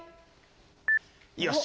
よし。